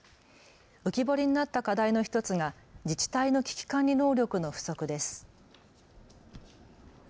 浮き彫りになった課題の１つが自治体の危機管理能力の不足です。